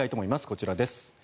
こちらです。